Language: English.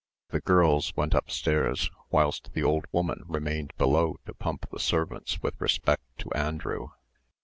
The girls went up stairs, whilst the old woman remained below to pump the servants with respect to Andrew.